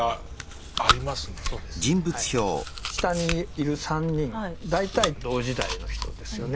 下にいる３人大体同時代の人ですよね。